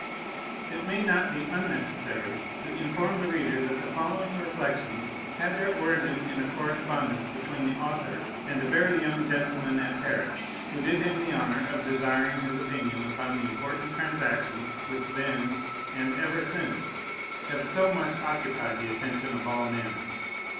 It may not be unnecessary to inform the reader that the following Reflections had their origin in a correspondence between the author and a very young gentleman at Paris, who did him the honor of desiring his opinion upon the important transactions which then, and ever since have, so much occupied the attention of all men.